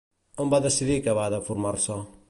On va decidir acabar de formar-se?